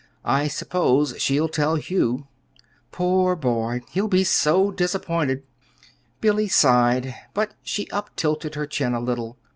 "I suppose she'll tell Hugh." "Poor boy! He'll be disappointed." Billy sighed, but she uptilted her chin a little.